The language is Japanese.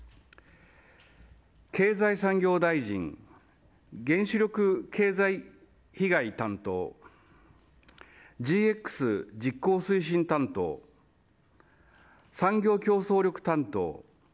経済産業大臣原子力経済被害担当ＧＸ実行推進担当産業競争力担当